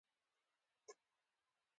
فرض د ټولو مخلوقاتو احترام وای